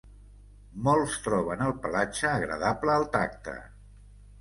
Molts troben el pelatge agradable al tacte.